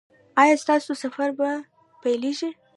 ایا ستاسو سفر به پیلیږي؟